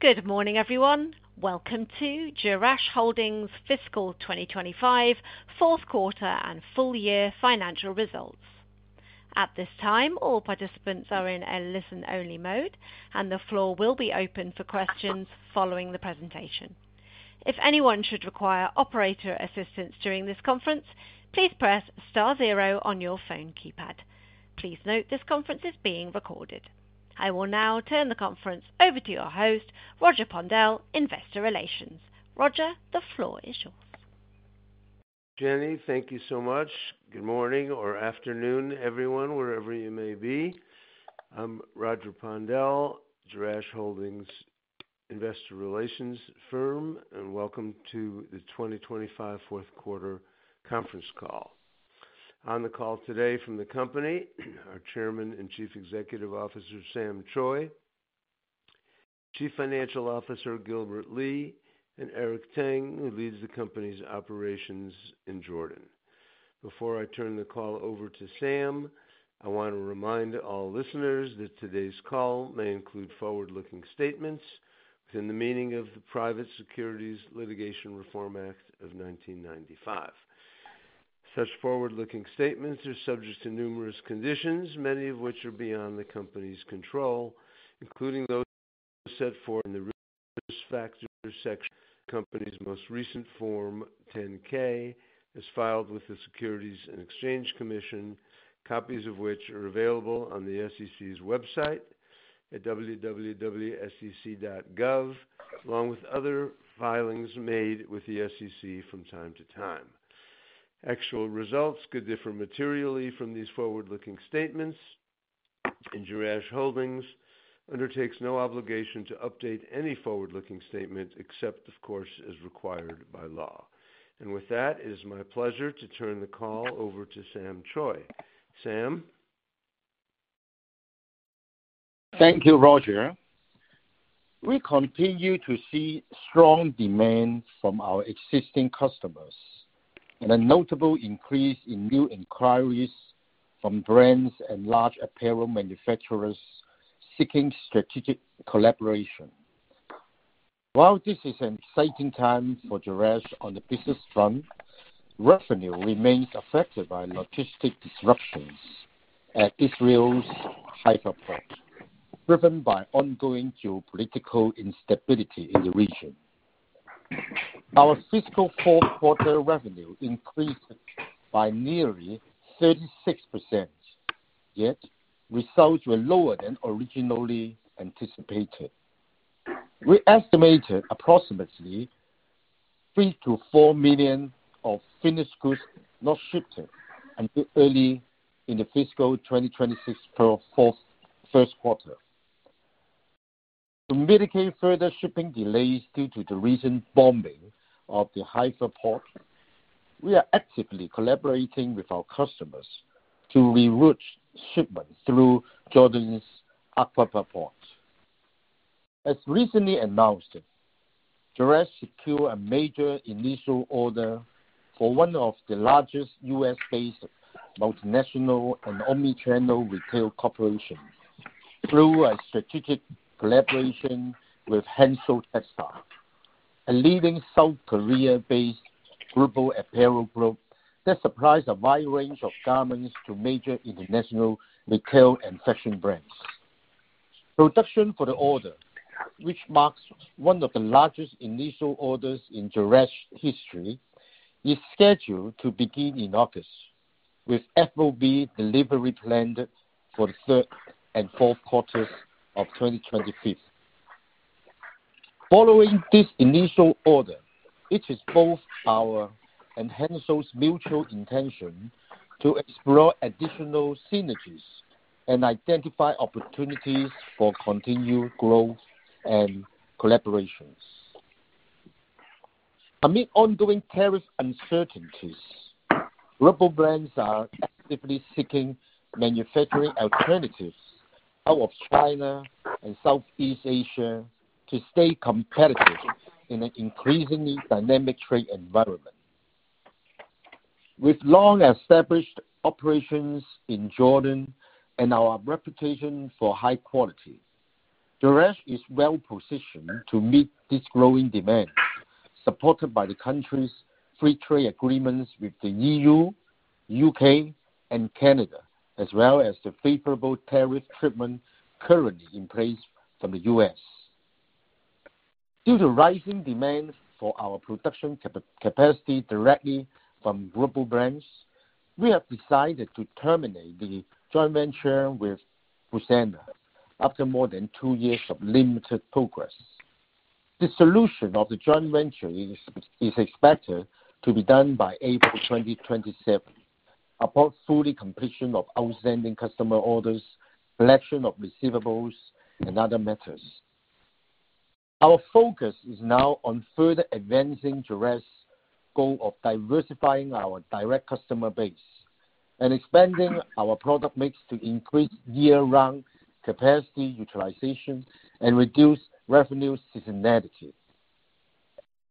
Good morning, everyone. Welcome to Jerash Holdings' Fiscal 2025, Fourth Quarter, and Full Year Financial Results. At this time, all participants are in a listen-only mode, and the floor will be open for questions following the presentation. If anyone should require operator assistance during this conference, please press star zero on your phone keypad. Please note this conference is being recorded. I will now turn the conference over to your host, Roger Pondel, Investor Relations. Roger, the floor is yours. Jenny, thank you so much. Good morning or afternoon, everyone, wherever you may be. I'm Roger Pondel, Jerash Holdings' investor relations firm, and welcome to the 2025 fourth quarter conference call. On the call today from the company, our Chairman and Chief Executive Officer, Sam Choi, Chief Financial Officer, Gilbert Lee, and Eric Tang, who leads the company's operations in Jordan. Before I turn the call over to Sam, I want to remind all listeners that today's call may include forward-looking statements within the meaning of the Private Securities Litigation Reform Act of 1995. Such forward-looking statements are subject to numerous conditions, many of which are beyond the company's control, including those set forth in the Risk Factors section of the company's most recent Form 10-K, as filed with the Securities and Exchange Commission, copies of which are available on the SEC's website at www.sec.gov, along with other filings made with the SEC from time to time. Actual results could differ materially from these forward-looking statements, and Jerash Holdings undertakes no obligation to update any forward-looking statement except, of course, as required by law. With that, it is my pleasure to turn the call over to Sam Choi. Sam? Thank you, Roger. We continue to see strong demand from our existing customers and a notable increase in new inquiries from brands and large apparel manufacturers seeking strategic collaboration. While this is an exciting time for Jerash on the business front, revenue remains affected by logistic disruptions at Israel's Haifa port, driven by ongoing geopolitical instability in the region. Our fiscal fourth-quarter revenue increased by nearly 36%, yet results were lower than originally anticipated. We estimated approximately $3 million-$4 million of finished goods not shipped until early in the fiscal 2026 first quarter. To mitigate further shipping delays due to the recent bombing of the Haifa port, we are actively collaborating with our customers to reroute shipments through Jordan's Aqaba Port. As recently announced, Jerash secured a major initial order for one of the largest U.S.-based multinational and omnichannel retail corporations through a strategic collaboration with Hansoll Textile, a leading South Korea-based global apparel group that supplies a wide range of garments to major international retail and fashion brands. Production for the order, which marks one of the largest initial orders in Jerash's history, is scheduled to begin in August, with FOB delivery planned for the third and fourth quarters of 2025. Following this initial order, it is both our and Hansoll's mutual intention to explore additional synergies and identify opportunities for continued growth and collaborations. Amid ongoing tariff uncertainties, global brands are actively seeking manufacturing alternatives out of China and Southeast Asia to stay competitive in an increasingly dynamic trade environment. With long-established operations in Jordan and our reputation for high quality, Jerash is well-positioned to meet this growing demand, supported by the country's free trade agreements with the EU, U.K., and Canada, as well as the favorable tariff treatment currently in place from the U.S. Due to rising demand for our production capacity directly from global brands, we have decided to terminate the joint venture with Busana after more than two years of limited progress. The solution of the joint venture is expected to be done by April 2027, upon full completion of outstanding customer orders, collection of receivables, and other matters. Our focus is now on further advancing Jerash's goal of diversifying our direct customer base and expanding our product mix to increase year-round capacity utilization and reduce revenue seasonality.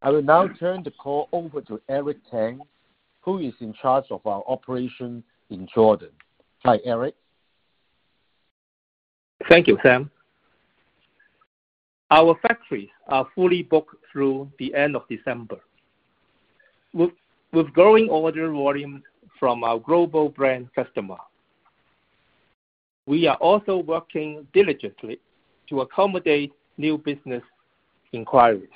I will now turn the call over to Eric Tang, who is in charge of our operation in Jordan. Hi, Eric. Thank you, Sam. Our factories are fully booked through the end of December. With growing order volume from our global brand customers, we are also working diligently to accommodate new business inquiries.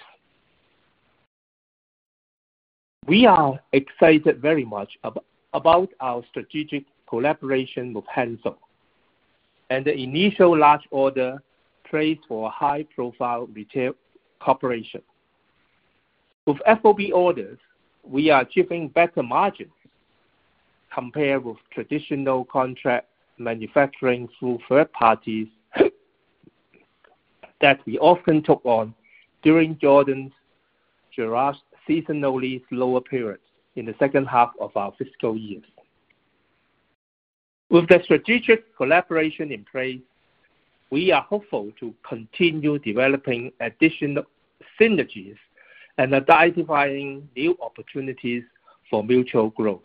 We are excited very much about our strategic collaboration with Hansoll, and the initial large order plays for a high-profile retail corporation. With FOB orders, we are achieving better margins compared with traditional contract manufacturing through third parties that we often took on during Jordan's seasonally slower period in the second half of our fiscal year. With the strategic collaboration in place, we are hopeful to continue developing additional synergies and identifying new opportunities for mutual growth.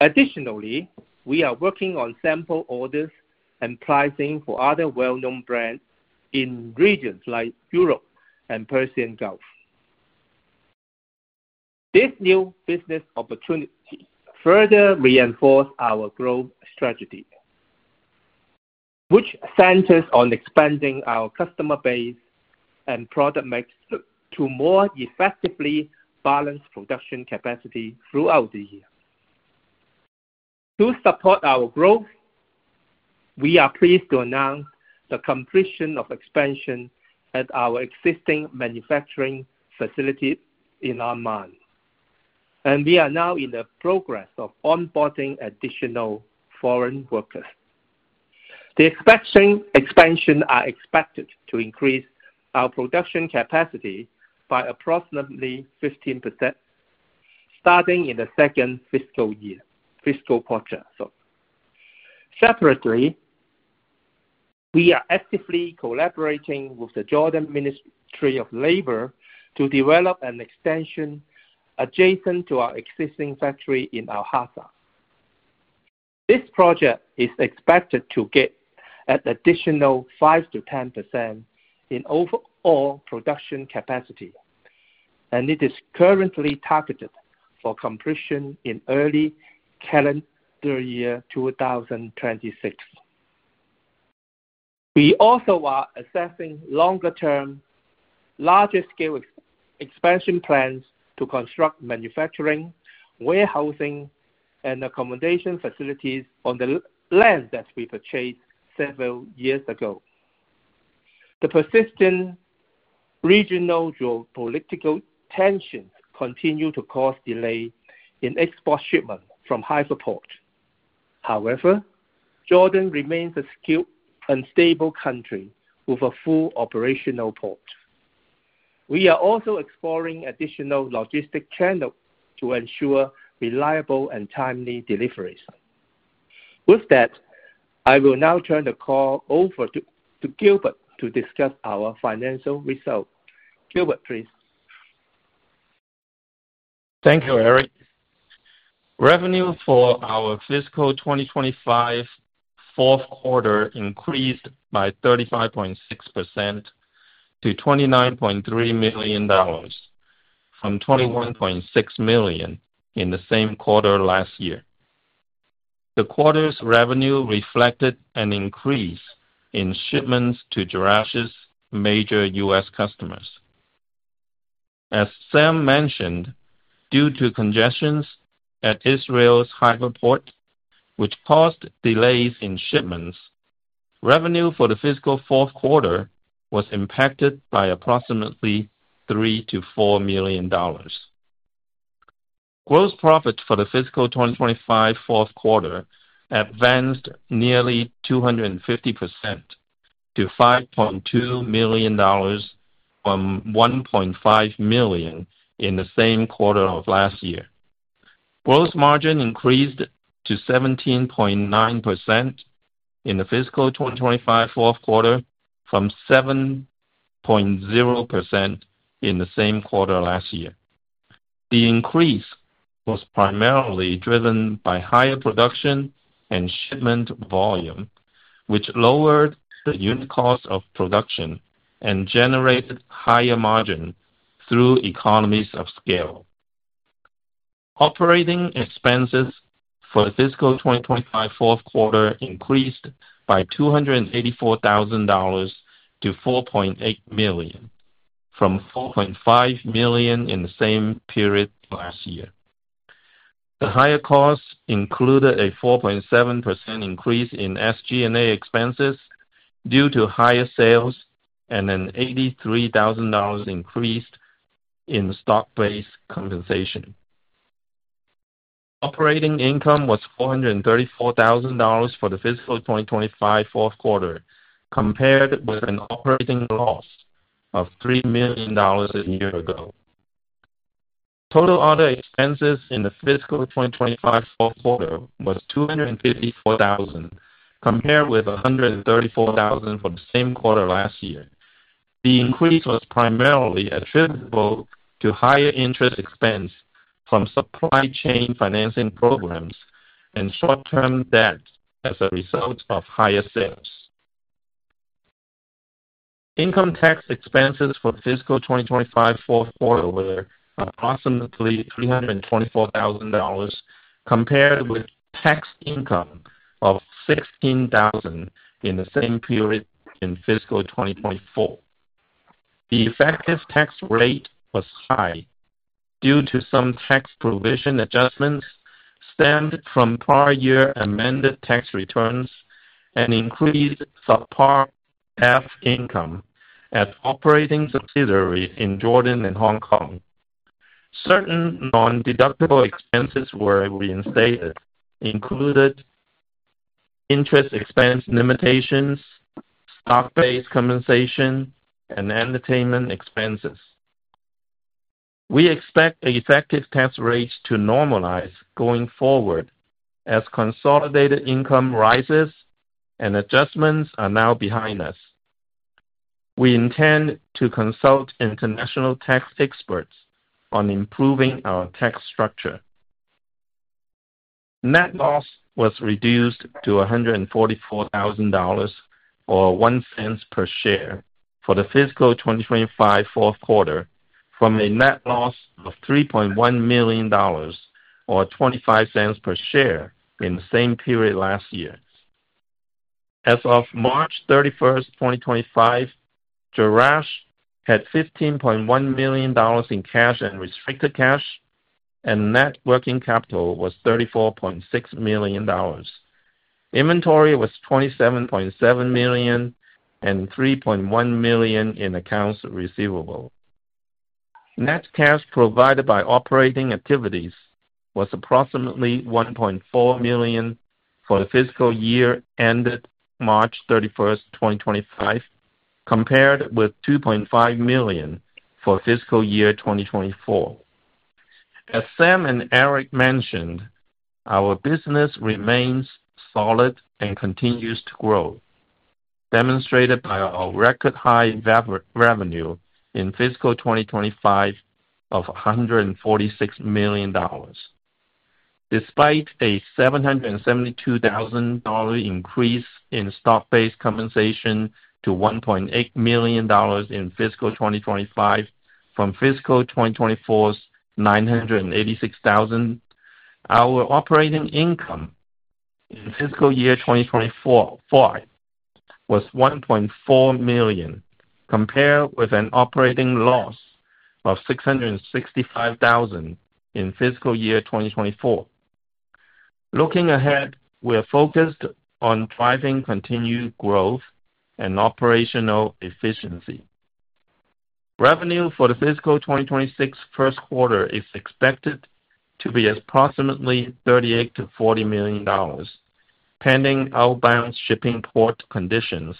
Additionally, we are working on sample orders and pricing for other well-known brands in regions like Europe and Persian Gulf. This new business opportunity further reinforces our growth strategy, which centers on expanding our customer base and product mix to more effectively balance production capacity throughout the year. To support our growth, we are pleased to announce the completion of expansion at our existing manufacturing facility in Amman, and we are now in the process of onboarding additional foreign workers. The expansion is expected to increase our production capacity by approximately 15% starting in the second fiscal quarter. Separately, we are actively collaborating with the Jordan Ministry of Labor to develop an extension adjacent to our existing factory in Al-Hasa. This project is expected to get an additional 5%-10% in overall production capacity, and it is currently targeted for completion in early calendar year 2026. We also are assessing longer-term, larger-scale expansion plans to construct manufacturing, warehousing, and accommodation facilities on the land that we purchased several years ago. The persistent regional geopolitical tensions continue to cause delay in export shipments from Haifa Port. However, Jordan remains a skilled and stable country with a full operational port. We are also exploring additional logistic channels to ensure reliable and timely deliveries. With that, I will now turn the call over to Gilbert to discuss our financial results. Gilbert, please. Thank you, Eric. Revenue for our fiscal 2025 fourth quarter increased by 35.6% to $29.3 million, from $21.6 million in the same quarter last year. The quarter's revenue reflected an increase in shipments to Jerash's major U.S. customers. As Sam mentioned, due to congestions at Israel's Haifa port, which caused delays in shipments, revenue for the fiscal fourth quarter was impacted by approximately $3 million-$4 million. Gross profit for the fiscal 2025 fourth quarter advanced nearly 250% to $5.2 million from $1.5 million in the same quarter of last year. Gross margin increased to 17.9% in the fiscal 2025 fourth quarter, from 7.0% in the same quarter last year. The increase was primarily driven by higher production and shipment volume, which lowered the unit cost of production and generated higher margins through economies of scale. Operating expenses for the fiscal 2025 fourth quarter increased by $284,000 to $4.8 million, from $4.5 million in the same period last year. The higher costs included a 4.7% increase in SG&A expenses due to higher sales and an $83,000 increase in stock-based compensation. Operating income was $434,000 for the fiscal 2025 fourth quarter, compared with an operating loss of $3 million a year ago. Total other expenses in the fiscal 2025 fourth quarter were $254,000, compared with $134,000 for the same quarter last year. The increase was primarily attributable to higher interest expense from supply chain financing programs and short-term debt as a result of higher sales. Income tax expenses for fiscal 2025 fourth quarter were approximately $324,000, compared with tax income of $16,000 in the same period in fiscal 2024. The effective tax rate was high due to some tax provision adjustments stemmed from prior year amended tax returns and increased subpart F income at operating subsidiaries in Jordan and Hong Kong. Certain non-deductible expenses were reinstated, including interest expense limitations, stock-based compensation, and entertainment expenses. We expect effective tax rates to normalize going forward as consolidated income rises and adjustments are now behind us. We intend to consult international tax experts on improving our tax structure. Net loss was reduced to $144,000 or $0.01 per share for the fiscal 2025 fourth quarter, from a net loss of $3.1 million or $0.25 per share in the same period last year. As of March 31, 2025, Jerash had $15.1 million in cash and restricted cash, and net working capital was $34.6 million. Inventory was $27.7 million and $3.1 million in accounts receivable. Net cash provided by operating activities was approximately $1.4 million for the fiscal year ended March 31, 2025, compared with $2.5 million for fiscal year 2024. As Sam and Eric mentioned, our business remains solid and continues to grow, demonstrated by our record high revenue in fiscal 2025 of $146 million. Despite a $772,000 increase in stock-based compensation to $1.8 million in fiscal 2025 from fiscal 2024's $986,000, our operating income in fiscal year 2024 was $1.4 million, compared with an operating loss of $665,000 in fiscal year 2024. Looking ahead, we are focused on driving continued growth and operational efficiency. Revenue for the fiscal 2026 first quarter is expected to be approximately $38 million-$40 million, pending outbound shipping port conditions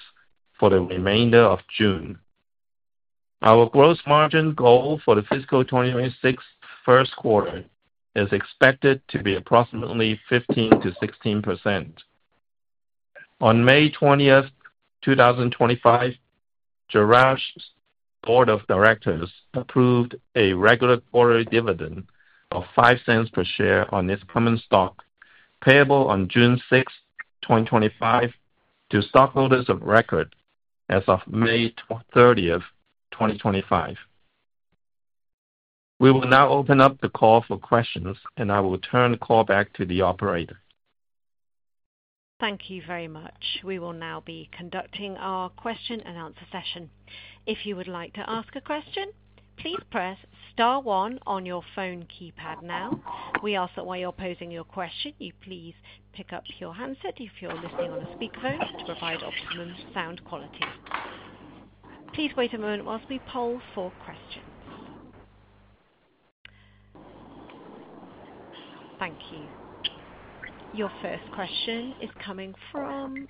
for the remainder of June. Our gross margin goal for the fiscal 2026 first quarter is expected to be approximately 15%-16%. On May 20, 2025, Jerash's board of directors approved a regular quarterly dividend of $0.05 per share on its common stock, payable on June 6, 2025, to stockholders of record as of May 30, 2025. We will now open up the call for questions, and I will turn the call back to the operator. Thank you very much. We will now be conducting our question-and-answer session. If you would like to ask a question, please press star one on your phone keypad now. We ask that while you're posing your question, you please pick up your handset if you're listening on a speakerphone to provide optimum sound quality. Please wait a moment whilst we poll for questions. Thank you. Your first question is coming from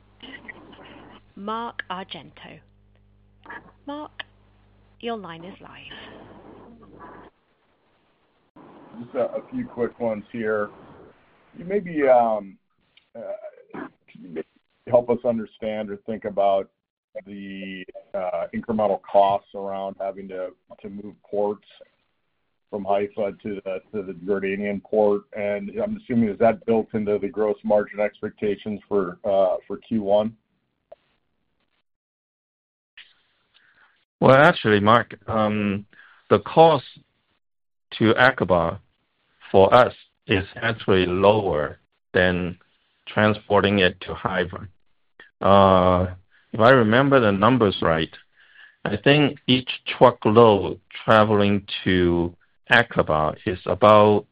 Mark Argento. Mark, your line is live. Just a few quick ones here. Maybe can you help us understand or think about the incremental costs around having to move ports from Haifa to the Jordanian port? And I'm assuming is that built into the gross margin expectations for Q1? Actually, Mark, the cost to Aqaba for us is actually lower than transporting it to Haifa. If I remember the numbers right, I think each truckload traveling to Aqaba is about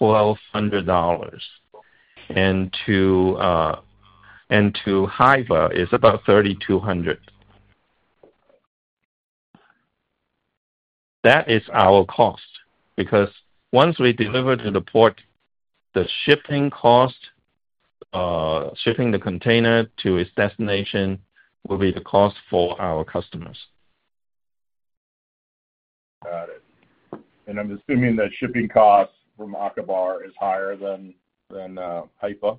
$1,200, and to Haifa is about $3,200. That is our cost because once we deliver to the port, the shipping cost, shipping the container to its destination, will be the cost for our customers. Got it. I'm assuming that shipping costs from Aqaba are higher than Haifa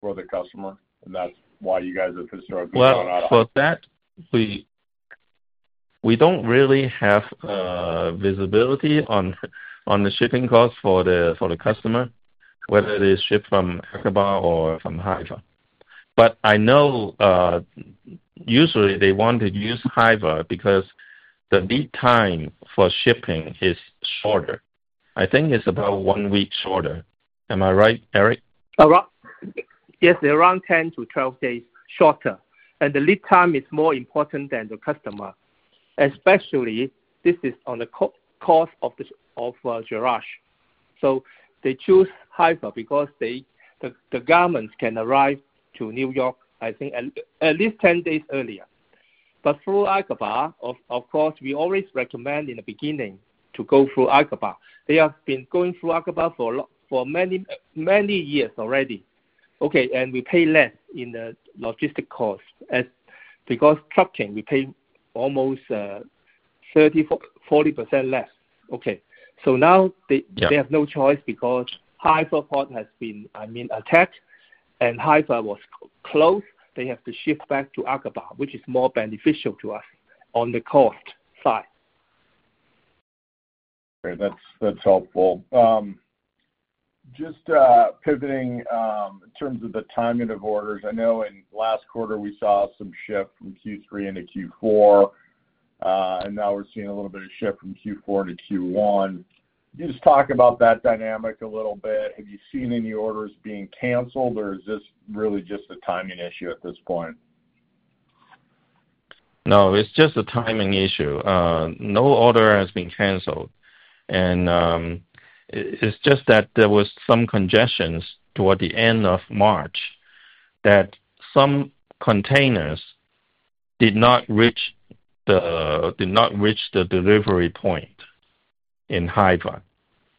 for the customer, and that's why you guys have historically gone out of. For that, we do not really have visibility on the shipping costs for the customer, whether they ship from Aqaba or from Haifa. I know usually they want to use Haifa because the lead time for shipping is shorter. I think it is about one week shorter. Am I right, Eric? Yes, around 10-12 days shorter. The lead time is more important than the customer, especially this is on the cost of Jerash. They choose Haifa because the garments can arrive to New York, I think, at least 10 days earlier. Through Aqaba, of course, we always recommend in the beginning to go through Aqaba. They have been going through Aqaba for many years already. We pay less in the logistic costs because trucking, we pay almost 30, 40% less. Now they have no choice because Haifa port has been, I mean, attacked, and Haifa was closed. They have to shift back to Aqaba, which is more beneficial to us on the cost side. Okay, that's helpful. Just pivoting in terms of the timing of orders, I know in last quarter we saw some shift from Q3 into Q4, and now we're seeing a little bit of shift from Q4 into Q1. Can you just talk about that dynamic a little bit? Have you seen any orders being canceled, or is this really just a timing issue at this point? No, it's just a timing issue. No order has been canceled. It's just that there were some congestions toward the end of March that some containers did not reach the delivery point in Haifa.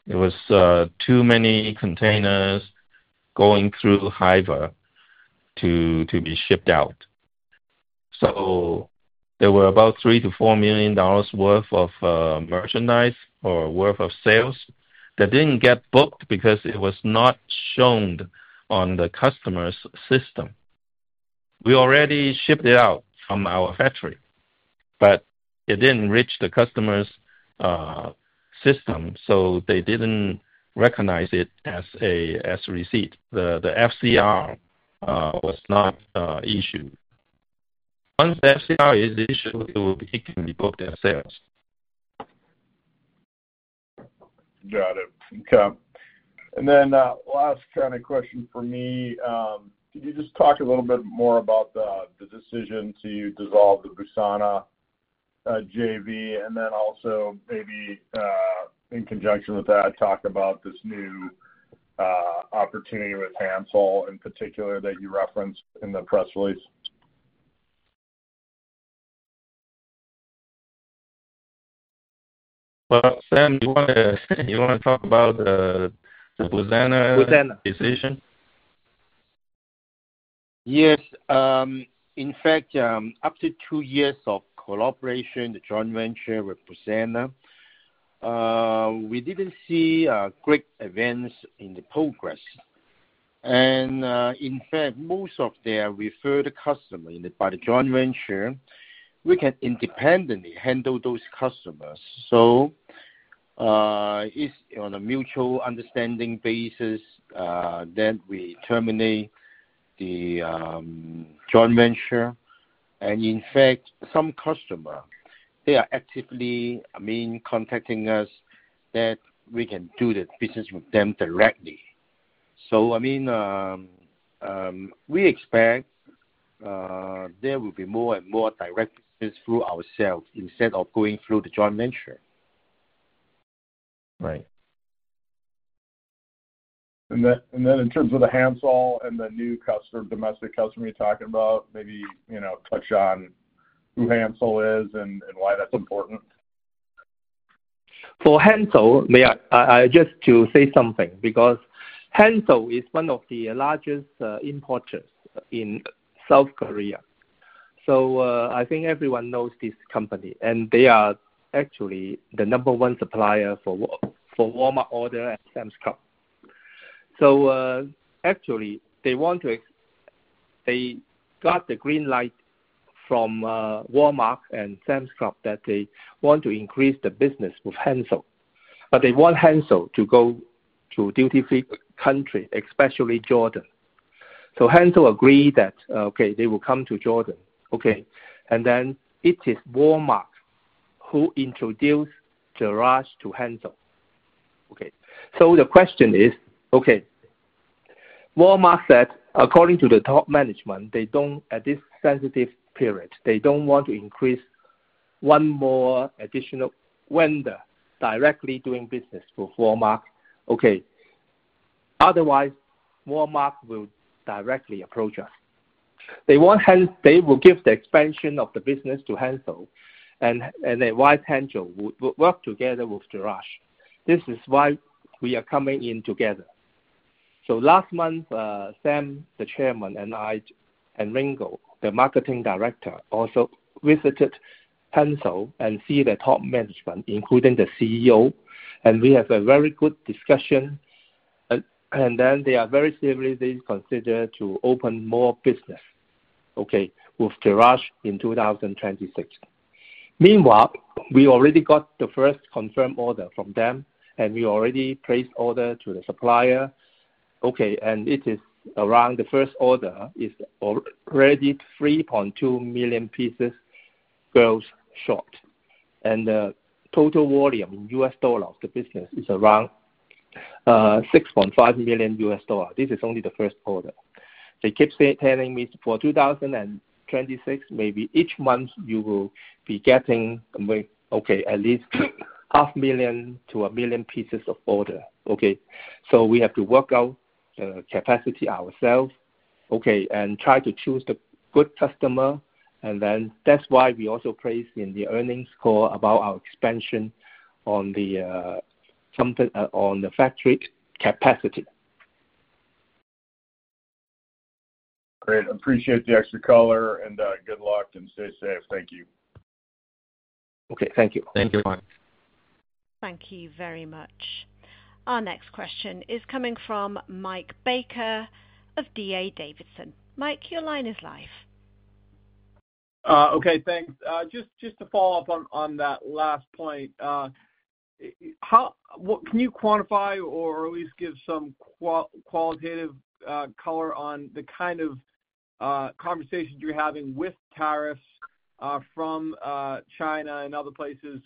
There were too many containers going through Haifa to be shipped out. There were about $3 million-$4 million worth of merchandise or worth of sales that didn't get booked because it was not shown on the customer's system. We already shipped it out from our factory, but it didn't reach the customer's system, so they didn't recognize it as a receipt. The FCR was not issued. Once the FCR is issued, it can be booked as sales. Got it. Okay. Last kind of question for me, could you just talk a little bit more about the decision to dissolve the Busana JV, and then also maybe in conjunction with that, talk about this new opportunity with Hansoll in particular that you referenced in the press release? Sam, you want to talk about the Busana decision? Yes. In fact, after two years of collaboration, the joint venture with Busana, we did not see great events in the progress. In fact, most of their referred customers by the joint venture, we can independently handle those customers. It is on a mutual understanding basis that we terminate the joint venture. In fact, some customers, they are actively, I mean, contacting us that we can do the business with them directly. I mean, we expect there will be more and more direct business through ourselves instead of going through the joint venture. Right. In terms of the Hansoll and the new domestic customer you're talking about, maybe touch on who Hansoll is and why that's important. For Hansoll, I just want to say something because Hansoll is one of the largest importers in South Korea. I think everyone knows this company, and they are actually the number one supplier for Walmart orders and Sam's Club. They got the green light from Walmart and Sam's Club that they want to increase the business with Hansoll. They want Hansoll to go to a duty-free country, especially Jordan. Hansoll agreed that they will come to Jordan. It is Walmart who introduced Jerash to Hansoll. The question is, Walmart said, according to the top management, at this sensitive period, they do not want to increase one more additional vendor directly doing business with Walmart. Otherwise, Walmart will directly approach us. They will give the expansion of the business to Hansoll, and then Hansoll will work together with Jerash. This is why we are coming in together. Last month, Sam, the Chairman, and I, and Ringo, the Marketing Director, also visited Hansoll and saw the top management, including the CEO, and we had a very good discussion. They are very seriously considering opening more business with Jerash in 2026. Meanwhile, we already got the first confirmed order from them, and we already placed order to the supplier. It is around, the first order is already 3.2 million pieces girls' shorts, and the total volume in US dollars, the business is around $6.5 million. This is only the first order. They keep telling me for 2026, maybe each month you will be getting at least 500,000 to 1 million pieces of order. We have to work out the capacity ourselves, okay, and try to choose the good customer. That is why we also placed in the earnings call about our expansion on the factory capacity. Great. Appreciate the extra color, and good luck, and stay safe. Thank you. Okay. Thank you. Thank you. Thank you very much. Our next question is coming from Mike Baker of D.A. Davidson. Mike, your line is live. Okay. Thanks. Just to follow up on that last point, can you quantify or at least give some qualitative color on the kind of conversations you're having with tariffs from China and other places?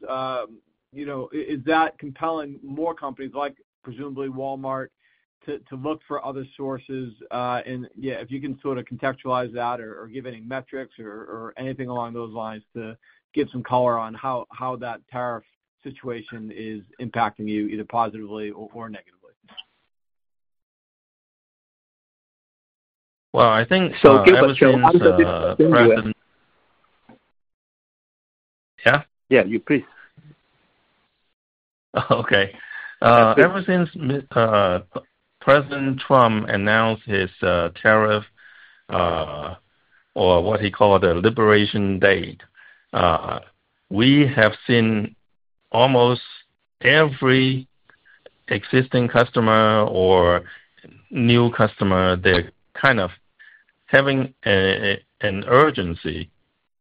Is that compelling more companies like, presumably, Walmart to look for other sources? If you can sort of contextualize that or give any metrics or anything along those lines to give some color on how that tariff situation is impacting you either positively or negatively. I think so. Give us an answer. Yeah? Yeah, you please. Okay. Ever since President Trump announced his tariff or what he called a liberation date, we have seen almost every existing customer or new customer, they're kind of having an urgency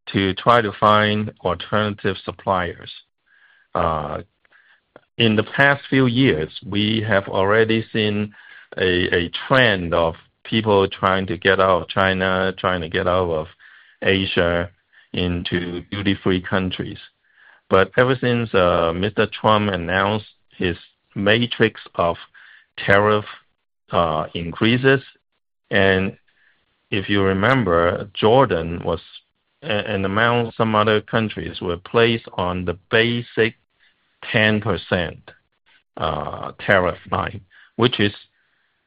to try to find alternative suppliers. In the past few years, we have already seen a trend of people trying to get out of China, trying to get out of Asia into duty-free countries. Ever since Mr. Trump announced his matrix of tariff increases, and if you remember, Jordan was and some other countries were placed on the basic 10% tariff line, which is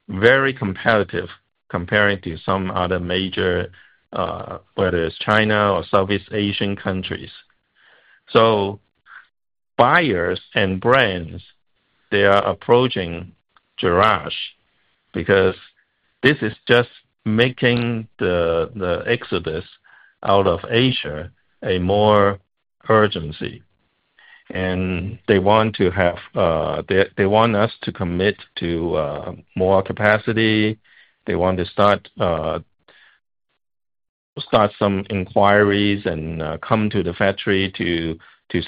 very competitive compared to some other major, whether it's China or Southeast Asian countries. Buyers and brands, they are approaching Jerash because this is just making the exodus out of Asia a more urgency. They want to have, they want us to commit to more capacity. They want to start some inquiries and come to the factory to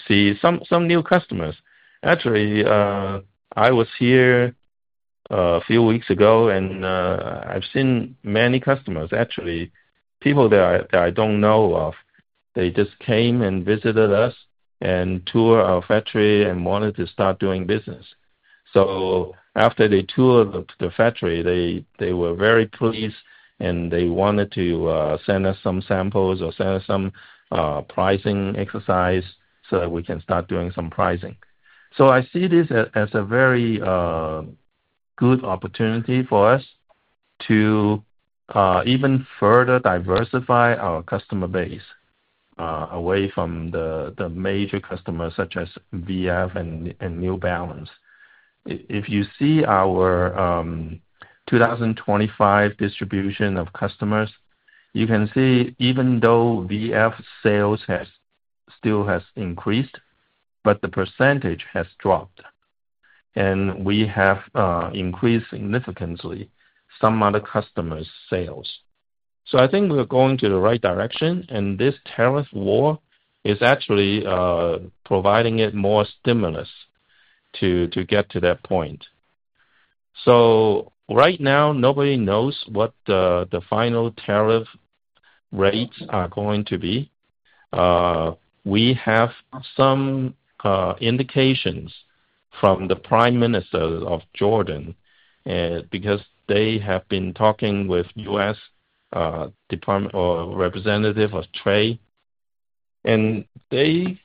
see some new customers. Actually, I was here a few weeks ago, and I've seen many customers, actually, people that I don't know of. They just came and visited us and toured our factory and wanted to start doing business. After they toured the factory, they were very pleased, and they wanted to send us some samples or send us some pricing exercise so that we can start doing some pricing. I see this as a very good opportunity for us to even further diversify our customer base away from the major customers such as VF and New Balance. If you see our 2025 distribution of customers, you can see even though VF sales still has increased, the percentage has dropped, and we have increased significantly some other customers' sales. I think we're going in the right direction, and this tariff war is actually providing it more stimulus to get to that point. Right now, nobody knows what the final tariff rates are going to be. We have some indications from the Prime Minister of Jordan because they have been talking with U.S. Department or Representative of Trade. They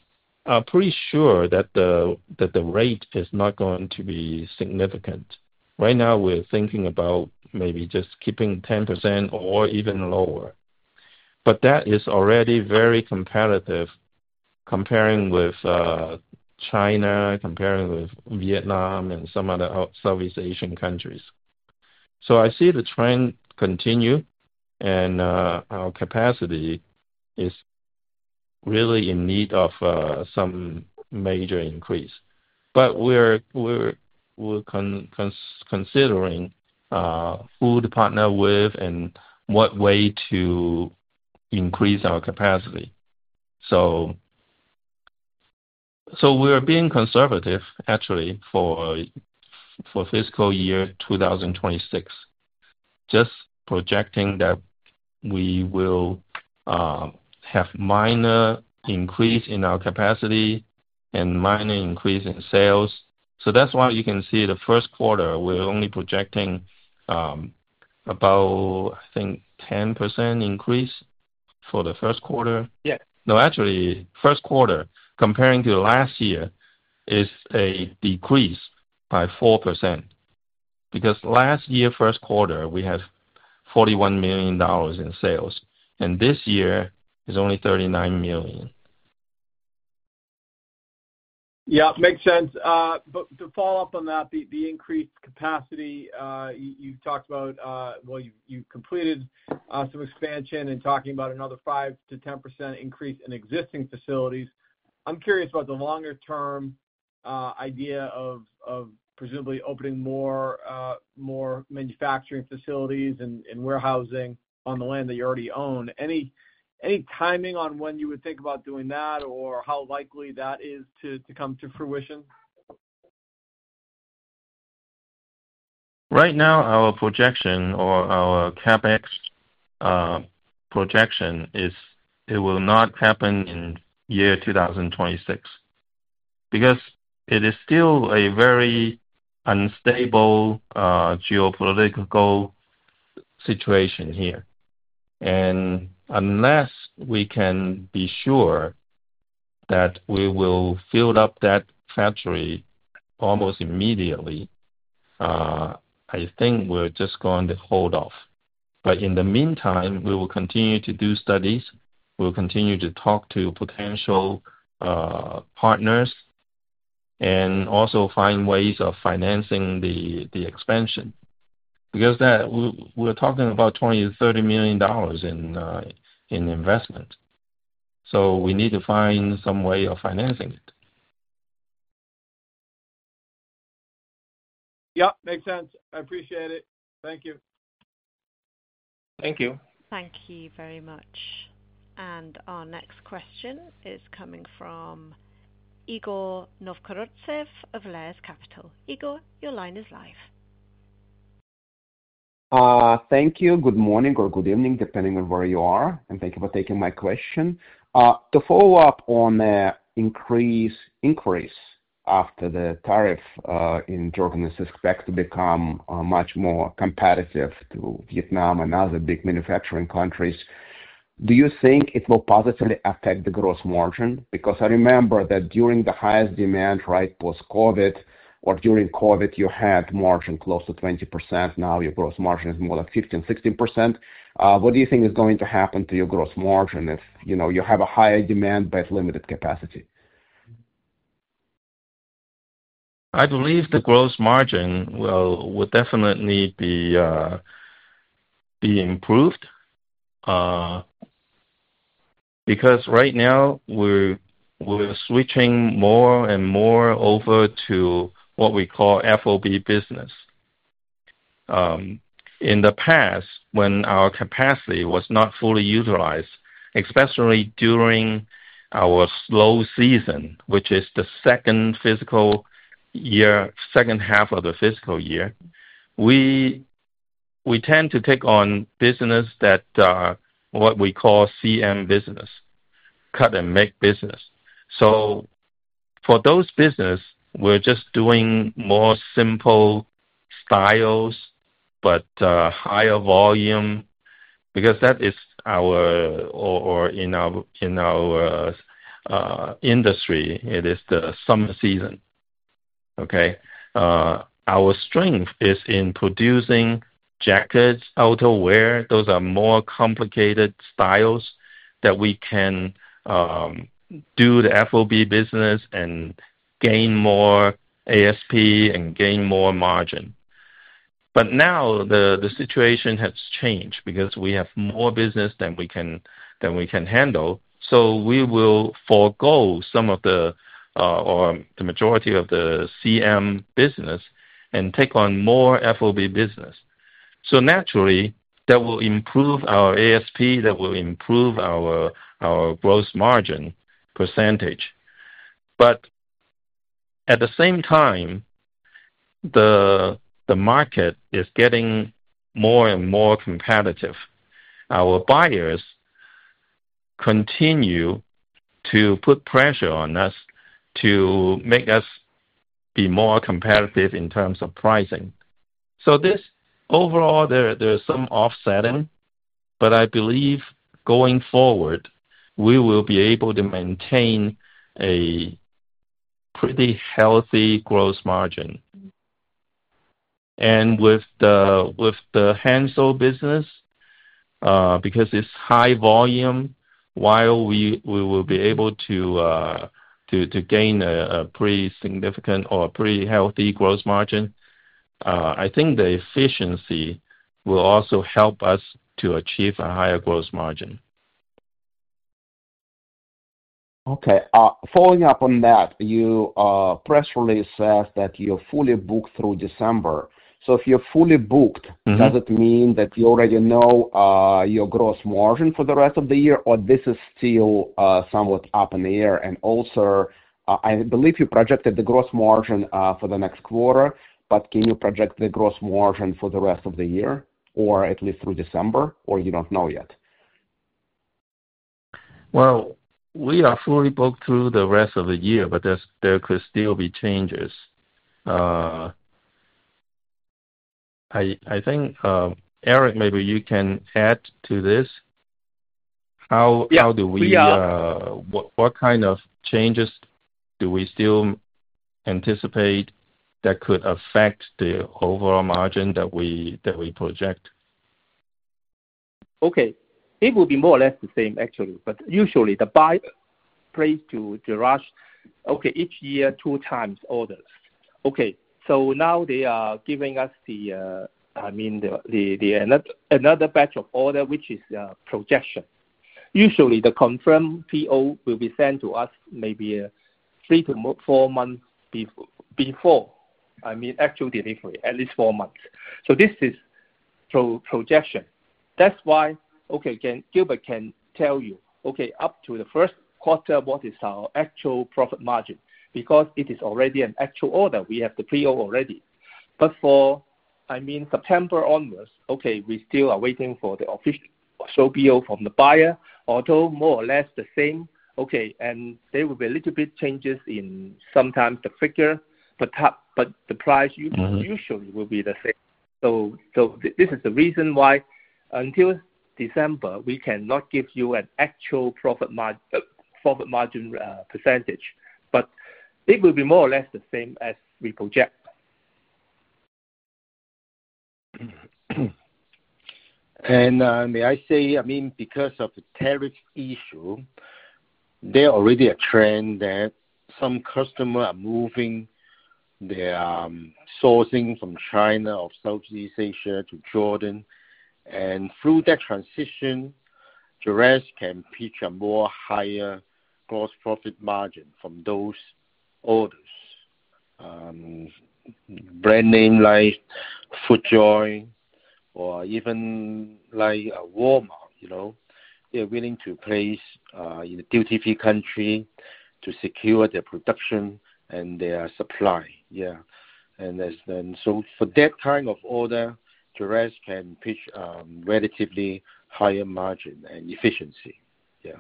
are pretty sure that the rate is not going to be significant. Right now, we're thinking about maybe just keeping 10% or even lower. That is already very competitive comparing with China, comparing with Vietnam, and some other Southeast Asian countries. I see the trend continue, and our capacity is really in need of some major increase. We're considering who to partner with and what way to increase our capacity. We are being conservative, actually, for fiscal year 2026, just projecting that we will have a minor increase in our capacity and minor increase in sales. That is why you can see the first quarter, we are only projecting about, I think, 10% increase for the first quarter. No, actually, first quarter comparing to last year is a decrease by 4% because last year's first quarter, we had $41 million in sales, and this year is only $39 million. Yeah, makes sense. To follow up on that, the increased capacity, you've talked about, well, you've completed some expansion and talking about another 5%-10% increase in existing facilities. I'm curious about the longer-term idea of presumably opening more manufacturing facilities and warehousing on the land that you already own. Any timing on when you would think about doing that or how likely that is to come to fruition? Right now, our projection or our CapEx projection is it will not happen in year 2026 because it is still a very unstable geopolitical situation here. Unless we can be sure that we will fill up that factory almost immediately, I think we're just going to hold off. In the meantime, we will continue to do studies. We'll continue to talk to potential partners and also find ways of financing the expansion because we're talking about $20-$30 million in investment. We need to find some way of financing it. Yeah, makes sense. I appreciate it. Thank you. Thank you. Thank you very much. Our next question is coming from Igor Novgorodtsev of Lares Capital. Igor, your line is live. Thank you. Good morning or good evening, depending on where you are. Thank you for taking my question. To follow up on the increase after the tariff in Jordan, it's expected to become much more competitive to Vietnam and other big manufacturing countries. Do you think it will positively affect the gross margin? Because I remember that during the highest demand right post-COVID or during COVID, you had margin close to 20%. Now, your gross margin is more like 15%-16%. What do you think is going to happen to your gross margin if you have a higher demand but limited capacity? I believe the gross margin will definitely be improved because right now, we're switching more and more over to what we call FOB business. In the past, when our capacity was not fully utilized, especially during our slow season, which is the second half of the fiscal year, we tend to take on business that what we call CM business, cut-and-make business. For those businesses, we're just doing more simple styles but higher volume because that is our or in our industry, it is the summer season. Okay. Our strength is in producing jackets, outerwear. Those are more complicated styles that we can do the FOB business and gain more ASP and gain more margin. Now, the situation has changed because we have more business than we can handle. We will forego some of the or the majority of the CM business and take on more FOB business. Naturally, that will improve our ASP. That will improve our gross margin percentage. At the same time, the market is getting more and more competitive. Our buyers continue to put pressure on us to make us be more competitive in terms of pricing. Overall, there is some offsetting, but I believe going forward, we will be able to maintain a pretty healthy gross margin. With the hands-on business, because it is high volume, while we will be able to gain a pretty significant or pretty healthy gross margin, I think the efficiency will also help us to achieve a higher gross margin. Okay. Following up on that, your press release says that you're fully booked through December. If you're fully booked, does it mean that you already know your gross margin for the rest of the year, or this is still somewhat up in the air? Also, I believe you projected the gross margin for the next quarter, but can you project the gross margin for the rest of the year or at least through December, or you don't know yet? We are fully booked through the rest of the year, but there could still be changes. I think, Eric, maybe you can add to this. How do we, what kind of changes do we still anticipate that could affect the overall margin that we project? Okay. It will be more or less the same, actually. Usually, the buyer places to Jerash, okay, each year two times orders. Okay. Now they are giving us the, I mean, another batch of order, which is projection. Usually, the confirmed PO will be sent to us maybe three to four months before, I mean, actual delivery, at least four months. This is projection. That is why, okay, Gilbert can tell you, okay, up to the first quarter, what is our actual profit margin because it is already an actual order. We have the PO already. For, I mean, September onwards, okay, we still are waiting for the official show PO from the buyer, although more or less the same. There will be a little bit changes in sometimes the figure, but the price usually will be the same. This is the reason why until December, we cannot give you an actual profit margin percentage, but it will be more or less the same as we project. May I say, I mean, because of the tariff issue, there is already a trend that some customers are moving their sourcing from China or Southeast Asia to Jordan. Through that transition, Jerash can pitch a more higher gross profit margin from those orders. Brand names like Walmart, they are willing to place in a duty-free country to secure their production and their supply. Yeah. For that kind of order, Jerash can pitch relatively higher margin and efficiency. Yeah.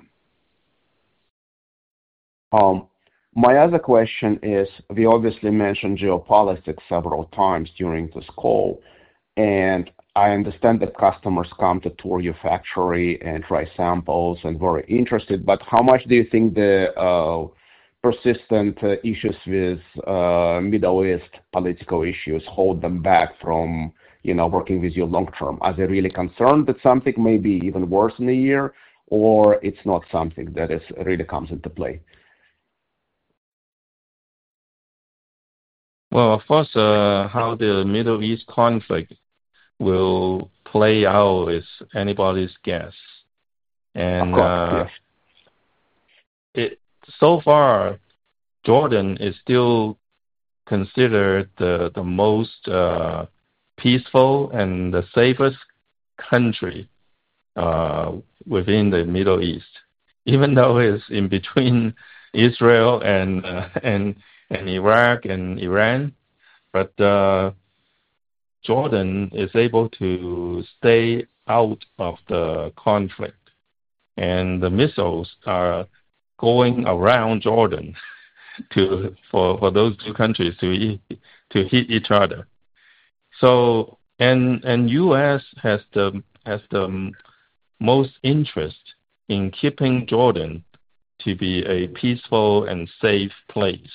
My other question is, we obviously mentioned geopolitics several times during this call. I understand that customers come to tour your factory and try samples and are very interested. How much do you think the persistent issues with Middle East political issues hold them back from working with you long-term? Are they really concerned that something may be even worse in a year, or it's not something that really comes into play? Of course, how the Middle East conflict will play out is anybody's guess. So far, Jordan is still considered the most peaceful and the safest country within the Middle East, even though it is in between Israel and Iraq and Iran. Jordan is able to stay out of the conflict. The missiles are going around Jordan for those two countries to hit each other. The U.S. has the most interest in keeping Jordan to be a peaceful and safe place.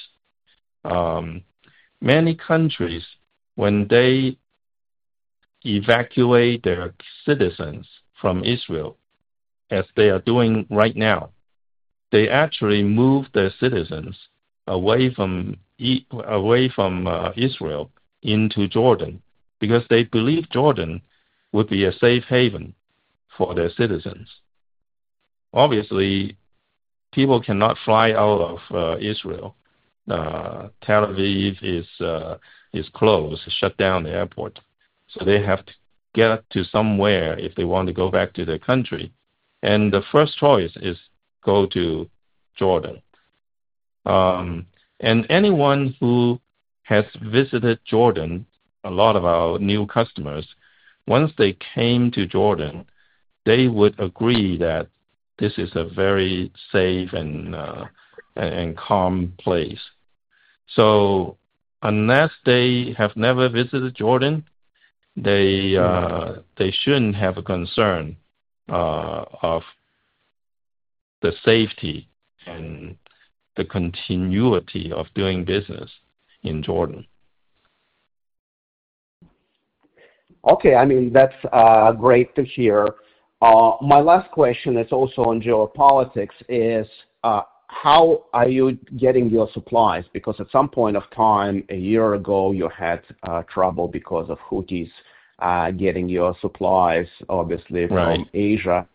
Many countries, when they evacuate their citizens from Israel, as they are doing right now, actually move their citizens away from Israel into Jordan because they believe Jordan would be a safe haven for their citizens. Obviously, people cannot fly out of Israel. Tel Aviv is closed, shut down the airport. They have to get to somewhere if they want to go back to their country. The first choice is to go to Jordan. Anyone who has visited Jordan, a lot of our new customers, once they came to Jordan, they would agree that this is a very safe and calm place. Unless they have never visited Jordan, they should not have a concern of the safety and the continuity of doing business in Jordan. Okay. I mean, that's great to hear. My last question is also on geopolitics. How are you getting your supplies? Because at some point of time, a year ago, you had trouble because of Houthis getting your supplies, obviously, from Asia.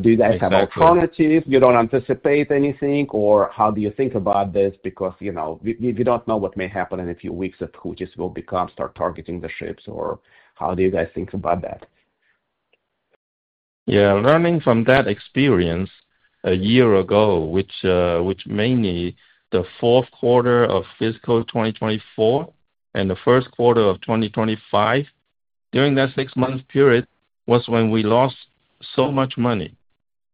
Do you guys have alternatives? You don't anticipate anything? How do you think about this? Because we don't know what may happen in a few weeks if Houthis will start targeting the ships. How do you guys think about that? Yeah. Learning from that experience a year ago, which mainly the fourth quarter of fiscal 2024 and the first quarter of 2025, during that six-month period was when we lost so much money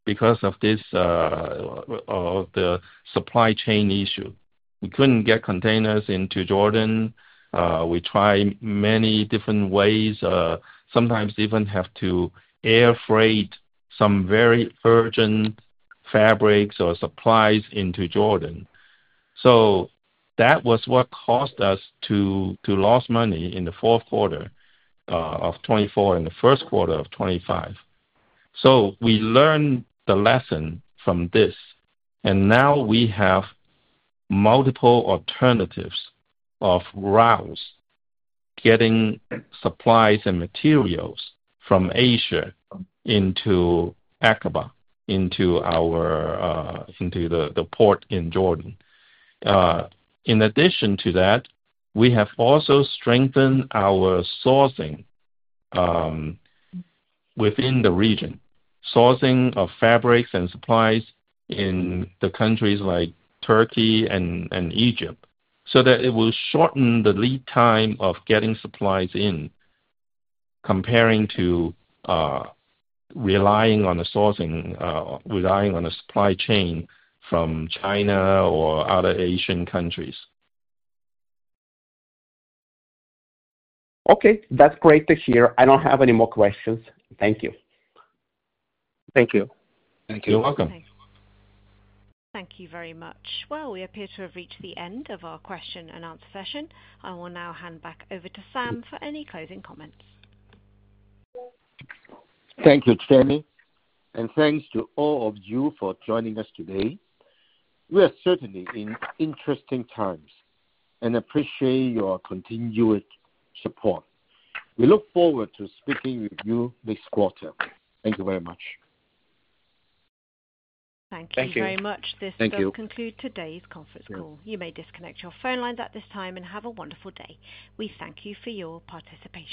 because of the supply chain issue. We could not get containers into Jordan. We tried many different ways. Sometimes even have to air freight some very urgent fabrics or supplies into Jordan. That was what caused us to lose money in the fourth quarter of 2024 and the first quarter of 2025. We learned the lesson from this. Now we have multiple alternatives of routes getting supplies and materials from Asia into Aqaba, into the port in Jordan. In addition to that, we have also strengthened our sourcing within the region, sourcing of fabrics and supplies in the countries like Turkey and Egypt so that it will shorten the lead time of getting supplies in comparing to relying on the sourcing, relying on the supply chain from China or other Asian countries. Okay. That's great to hear. I don't have any more questions. Thank you. Thank you. Thank you. You're welcome. Thank you very much. We appear to have reached the end of our question-and-answer session. I will now hand back over to Sam for any closing comments. Thank you, Jeremy. Thank you to all of you for joining us today. We are certainly in interesting times and appreciate your continued support. We look forward to speaking with you next quarter. Thank you very much. Thank you very much. This does conclude today's conference call. You may disconnect your phone lines at this time and have a wonderful day. We thank you for your participation.